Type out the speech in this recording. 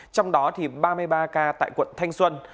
trong đó thì ba mươi ba ca tại quận thanh xuân